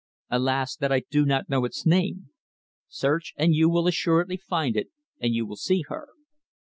Alas! that I do not know its name. Search and you will assuredly find it and you will see her.